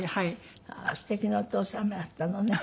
ああーすてきなお父様だったのね。